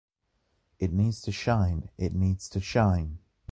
It needs to shine! It needs to shine!